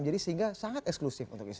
jadi sehingga sangat eksklusif untuk islam